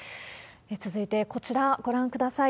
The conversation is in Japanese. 続いて、こちら、ご覧ください。